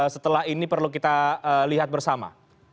setelah ini perlu kita lihat bersama